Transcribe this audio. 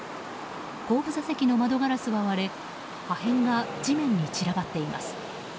後部座席の窓ガラスは割れ破片が地面に散らばっています。